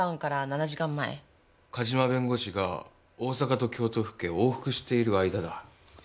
梶間弁護士が大阪と京都府警を往復している間だ。